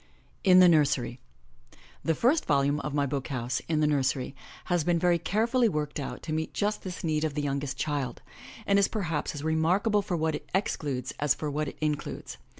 IN THE NURSERY HE first volume of My BOOK HOUSE, In the Nursery, has been very carefully worked out to meet just this need of the youngest child, and is perhaps as remark able for what it excludes as for what it includes.